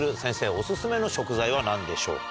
お薦めの食材は何でしょうか？